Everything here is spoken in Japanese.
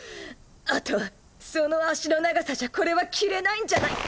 あとその足の長さじゃこれは着れないんじゃない？